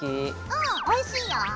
うんおいしいよ！